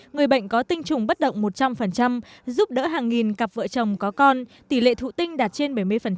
người bệnh có tinh trùng bất động một trăm linh giúp đỡ hàng nghìn cặp vợ chồng có con tỷ lệ thụ tinh đạt trên bảy mươi